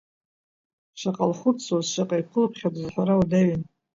Шаҟа лхәыцуаз, шаҟа еиқәылыԥхьаӡоз аҳәара уадаҩын.